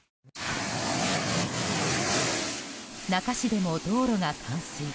那珂市でも道路が冠水。